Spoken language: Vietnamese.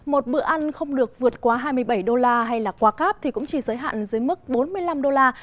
một bữa ăn không được vượt qua hai mươi bảy đô la hay là quá cáp thì cũng chỉ giới hạn dưới mức bốn mươi năm đô la